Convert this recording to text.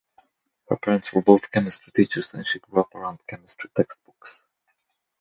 Her parents were both chemistry teachers and she grew up around chemistry textbooks.